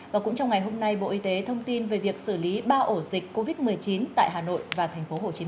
và cũng trong ngày hôm nay bộ y tế thông tin về việc xử lý ba ổ dịch covid một mươi chín tại hà nội và tp hcm